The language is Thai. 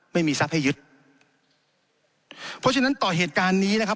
ไม่มีทรัพย์ให้ยึดเพราะฉะนั้นต่อเหตุการณ์นี้นะครับ